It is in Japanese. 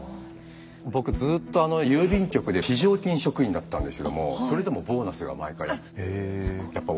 僕ずっと郵便局で非常勤職員だったんですけどもそれでもボーナスが毎回あって。